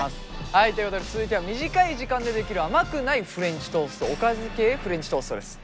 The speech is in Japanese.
はいということで続いては短い時間でできる甘くないフレンチトーストおかず系フレンチトーストです。